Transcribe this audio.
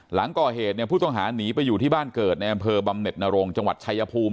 หลังก่อเหตุเนี่ยผู้ต้องหาหนีไปอยู่ที่บ้านเกิดในอำเภอบำเน็ตนรงจังหวัดชายภูมิ